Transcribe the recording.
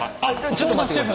ちょっと待ってくれる？